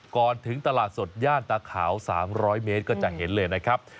ก่อนถึงตลาดสดย่านตาขาว๓๐๐เมตรก็จะเห็นเลยนะครับ